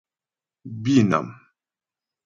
Bînàm.